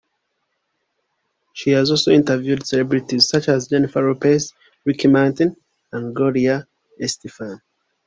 She has also interviewed celebrities such as Jennifer Lopez, Ricky Martin and Gloria Estefan.